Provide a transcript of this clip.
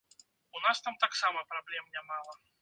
У нас там таксама праблем нямала.